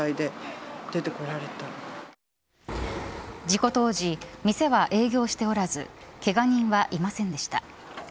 事故当時店は営業はしておらずけが人はいませんでした。